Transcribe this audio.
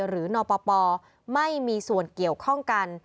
นปปไม่มีส่วนเกี่ยวข้องกัน